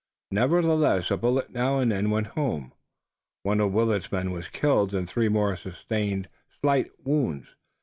Nevertheless a bullet now and then went home. One of Willet's men was killed and three more sustained slight wounds.